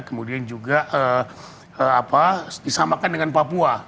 kemudian juga disamakan dengan papua